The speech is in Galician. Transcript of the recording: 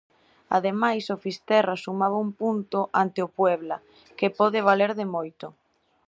Ademais, o Fisterra sumaba un punto ante o Puebla que pode valer de moito.